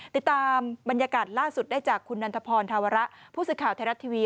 ติดตามบรรยากาศล่าสุดได้จากคุณนันทพรธาวระผู้สื่อข่าวไทยรัฐทีวี